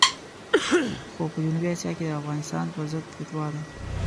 خو په جنوبي اسیا کې د افغانستان پرضد فتوا ده.